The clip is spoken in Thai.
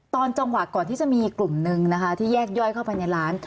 ตอนจังหวะก่อนที่จะมีกลุ่มนึงนะคะที่แยกย่อยเข้าไปในร้าน